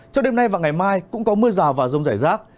trong đêm nay và ngày mai cũng có mưa rào và rông rải rác